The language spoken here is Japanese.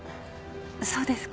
そうですか。